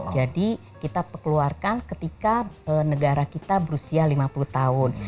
jadi kita keluarkan ketika negara kita berusia lima puluh tahun